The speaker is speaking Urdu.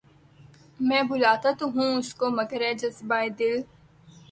میں بلاتا تو ہوں اس کو مگر اے جذبہ ِ دل